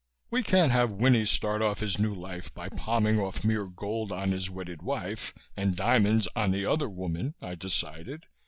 We can't have Winnie start off his new life by palming off mere gold on his wedded wife and diamonds on the Other Woman, I decided.